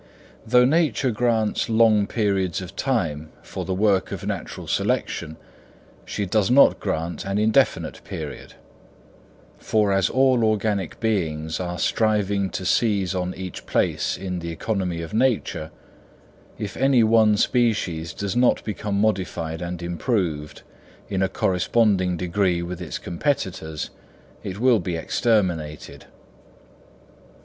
Though nature grants long periods of time for the work of natural selection, she does not grant an indefinite period; for as all organic beings are striving to seize on each place in the economy of nature, if any one species does not become modified and improved in a corresponding degree with its competitors it will be exterminated.